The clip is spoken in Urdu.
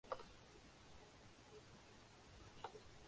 شاہد فریدی نے ٹیبل ٹینس کھلاڑی مہک انور کے علاج کا اعلان کردیا